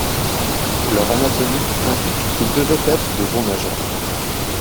Leur anatomie indique qu'ils devaient être de bons nageurs.